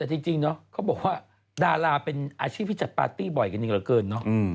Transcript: แต่จริงเนาะเขาบอกว่าดาราเป็นอาชีพที่จัดปาร์ตี้บ่อยกันจริงเหลือเกินเนอะ